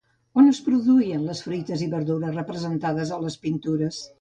On es produïen les fruites i verdures representades a les pintures?